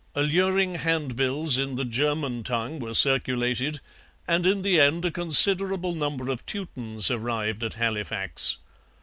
Alluring handbills in the German tongue were circulated, and in the end a considerable number of Teutons arrived at Halifax.